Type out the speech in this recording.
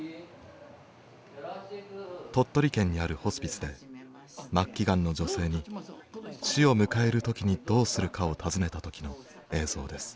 鳥取県にあるホスピスで末期がんの女性に死を迎える時にどうするかを尋ねた時の映像です。